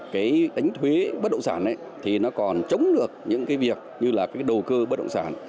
cái đánh thuế bất động sản thì nó còn chống được những cái việc như là cái đầu cơ bất động sản